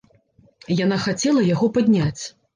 Яна хацела яго падняць.